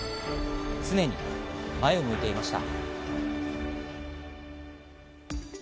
常に前を向いていました。